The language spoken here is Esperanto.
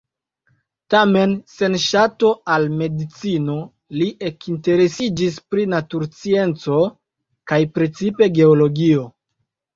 Tamen sen ŝato al medicino li ekinteresiĝis pri naturscienco, kaj precipe geologio.